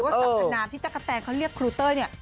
ว่าสัปดาห์นานที่ตั๊กกะแทนเขาเรียกครูเต้ยเนี่ย